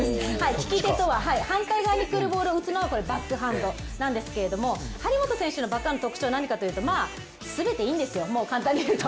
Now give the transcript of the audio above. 利き手とは反対側に来るボールを打つのがバックハンドなんですけれども、張本選手のバックハンドの特徴は何かというと全ていいんですよ、簡単に言うと。